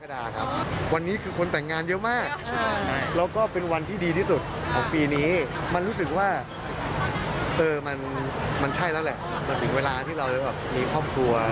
ในคนที่อยู่ข้างเราก็รู้สึกว่าเขาใช่สำหรับเรา